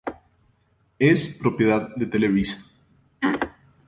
Es propiedad de Televisa.